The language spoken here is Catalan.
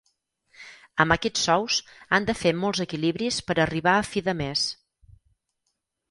Amb aquests sous, han de fer molts equilibris per arribar a fi de mes.